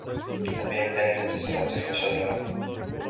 هل بإمكانك تسلق تلك الشجرة؟